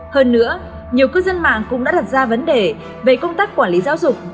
hơn nữa nhiều cư dân mạng cũng đã đặt ra vấn đề về công tác quản lý giáo dục